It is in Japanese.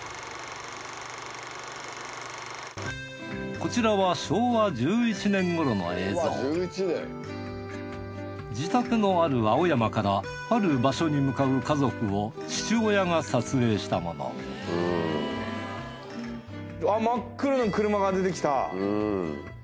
こちらは自宅のある青山からある場所に向かう家族を父親が撮影したものあっ真っ黒な車が出てきた。